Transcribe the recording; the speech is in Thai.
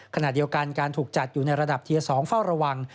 ขณะเดียวกันการถูกจัดอยู่ในระดับเทียร์๒เฝ้าระวัง